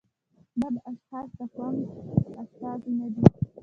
بد اشخاص د قوم استازي نه دي.